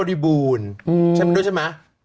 ด้วยใช่มะ